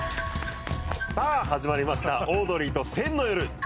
さあ始まりました『オードリーと選の夜』。